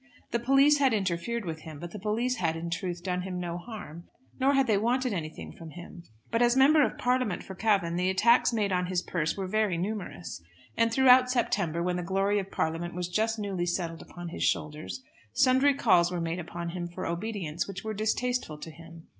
The police had interfered with him; but the police had in truth done him no harm, nor had they wanted anything from him. But as Member of Parliament for Cavan the attacks made on his purse were very numerous. And throughout September, when the glory of Parliament was just newly settled upon his shoulders, sundry calls were made upon him for obedience which were distasteful to him.